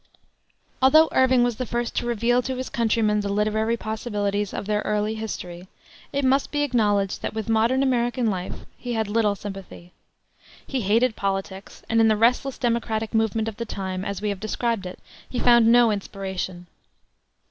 Although Irving was the first to reveal to his countrymen the literary possibilities of their early history, it must be acknowledged that with modern American life he had little sympathy. He hated politics, and in the restless democratic movement of the time, as we have described it, he found no inspiration.